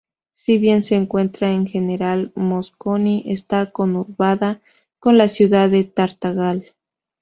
Si bien se encuentra en General Mosconi está conurbada con la ciudad de Tartagal.